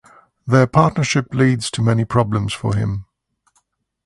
Their partnership leads to many problems for him.